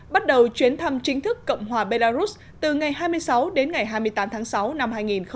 bắt đầu chuyến thăm chính thức cộng hòa belarus từ ngày hai mươi sáu đến ngày hai mươi tám tháng sáu năm hai nghìn một mươi chín